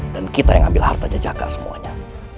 dan kita yang ambil hartanya jagat semuanya